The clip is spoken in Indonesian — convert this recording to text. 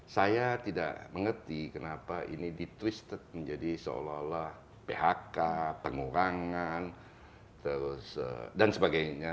saya tidak mengerti kenapa ini ditwisted menjadi seolah olah phk pengurangan terus dan sebagainya